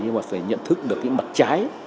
nhưng mà phải nhận thức được những mặt trái